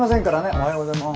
おはようございます。